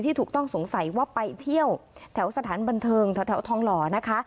ถูกต้องสงสัยว่าไปเที่ยวแถวสถานบันเทิงแถวทองหล่อนะคะ